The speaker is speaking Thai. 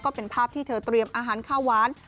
เป็นภาพที่เธอเตรียมอาหารข้าวหวาน